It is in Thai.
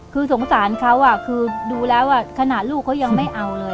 คือสงสารเขาคือดูแล้วขนาดลูกเขายังไม่เอาเลย